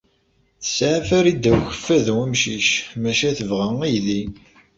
Tesɛa Farida n Ukeffadu amcic, maca tebɣa aydi.